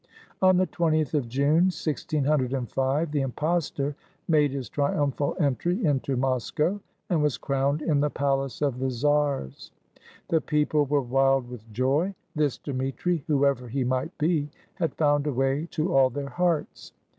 On the 2oth of June, 1605, the impostor made his triumphal entry into Moscow, and was crowned in the palace of the czars. The people were wild with joy : this Dmitri, whoever he might be, had found a way to all their hearts.